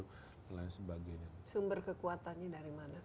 sumber kekuatannya dari mana